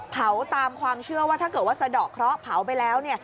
ตามความเชื่อว่าถ้าเกิดว่าสะดอกเคราะห์เผาไปแล้ว